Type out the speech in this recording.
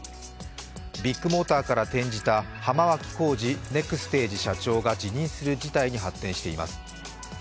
ビッグモーターから転じた浜脇浩次ネクステージ社長が辞任する事態に発展しています。